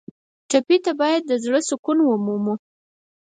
ټپي ته باید د زړه سکون ومومو.